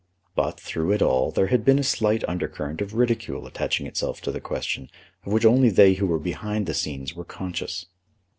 But, through it all, there had been a slight undercurrent of ridicule attaching itself to the question of which only they who were behind the scenes were conscious.